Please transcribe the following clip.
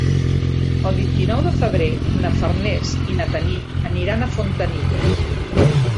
El vint-i-nou de febrer na Farners i na Tanit aniran a Fontanilles.